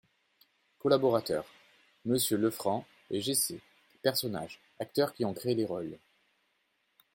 COLLABORATEURS : MMonsieur LEFRANC et JESSÉ PERSONNAGES Acteurs qui ont créé les rôles.